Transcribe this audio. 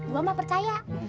gue mah percaya